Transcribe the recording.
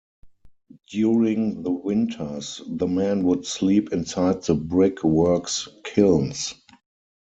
During the winters, the men would sleep inside the Brick Works kilns.